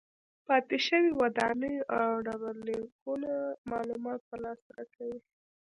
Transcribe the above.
پاتې شوې ودانۍ او ډبرلیکونه معلومات په لاس راکوي.